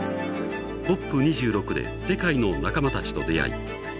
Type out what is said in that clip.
ＣＯＰ２６で世界の仲間たちと出会い